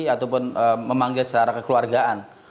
ataupun memanggil secara kekeluargaan